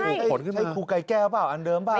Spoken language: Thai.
อย่างเฮ้ยครูไก้แก้วเบาะอันเดิมเบาะ